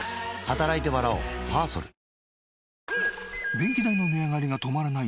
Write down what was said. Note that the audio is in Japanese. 電気代の値上がりが止まらない